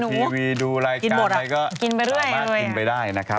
นั่งดูทีวีดูรายการไหนก็สามารถกินไปได้นะครับ